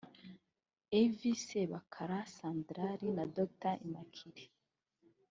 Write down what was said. Ev Sebakara Sandrali na Dr Immaculee